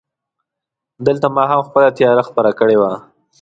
دلته ماښام خپله تياره خپره کړې وه.